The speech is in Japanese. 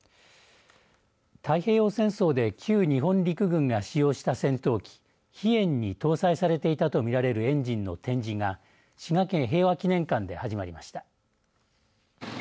太平洋戦争で旧日本陸軍が使用した戦闘機飛燕に搭載されていたと見られるエンジンの展示が滋賀県平和祈念館で始まりました。